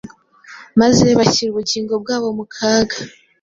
maze bashyira ubugingo bwabo mu kaga